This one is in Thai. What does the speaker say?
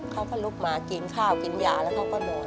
เขาก็ลุกมากินข้าวกินยาแล้วเขาก็นอน